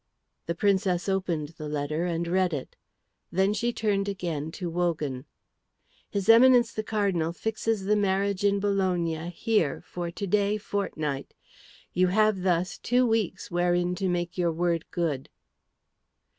The Princess opened the letter and read it. Then she turned again to Wogan. "His Eminence the Cardinal fixes the marriage in Bologna here for to day fortnight. You have thus two weeks wherein to make your word good."